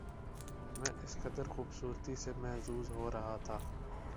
میں اس قدر خوبصورتی سے محظوظ ہو رہا تھا